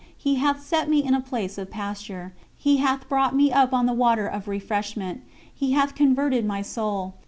He hath set me in a place of pasture. He hath brought me up on the water of refreshment. He hath converted my soul.